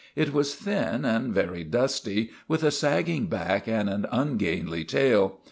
It was thin and very dusty, with a sagging back and an ungainly tail.